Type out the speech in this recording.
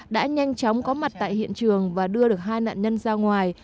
đã nhanh chóng có mặt tại hiện trường và đưa được hai nạn nhân ra ngoài